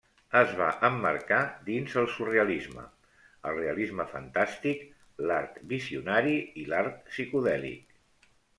Es va emmarcar dins el surrealisme, el realisme fantàstic, l'art visionari i l'art psicodèlic.